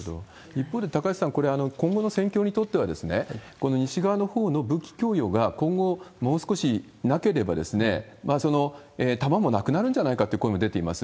一方で、高橋さん、これ、今後の戦況にとっては、西側のほうの武器供与が、今後、もう少しなければ、弾もなくなるんじゃないかという声も出ています。